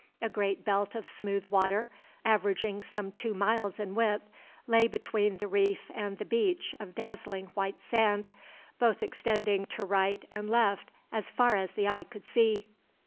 A great belt of smooth water, averaging some two miles in width, lay between the reef and the beach of dazzling white sand, both extending to right and left as far as the eye could see.